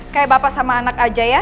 kayak bapak sama anak aja ya